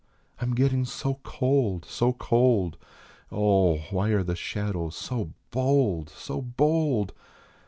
I am getting so cold, so cold. Oh. why are the shadows so bold, so bold?